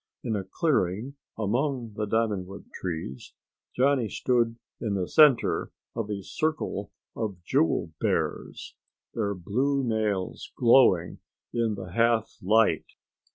In a clearing among the diamond wood trees Johnny stood in the center of a circle of jewel bears, their blue nails glowing in the half light.